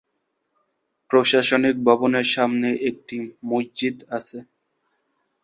প্রশাসনিক ভবনের সামনে একটি মসজিদ আছে।